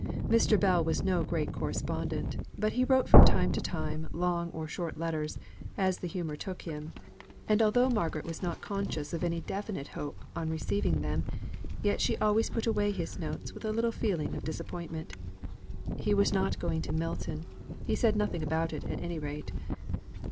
Mr. Bell was no great correspondent, but he wrote from time to time long or short letters, as the humour took him, and although Margaret was not conscious of any definite hope, on receiving them, yet she always put away his notes with a little feeling of disappointment. He was not going to Milton; he said nothing about it at any rate.